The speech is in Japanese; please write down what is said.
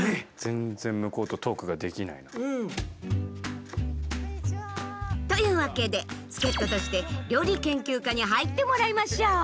全然向こうとトークができないの。というわけで助っととして料理研究家に入ってもらいましょう。